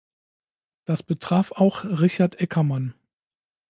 Das betraf auch Richard Eckermann.